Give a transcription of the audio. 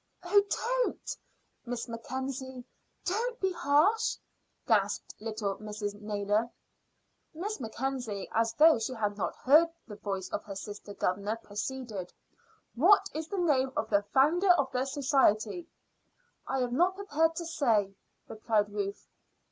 "Oh, don't, Miss Mackenzie! Don't be harsh," gasped little Mrs. Naylor. Miss Mackenzie, as though she had not heard the voice of her sister governor, proceeded: "What is the name of the founder of the society?" "I am not prepared to say," replied Ruth.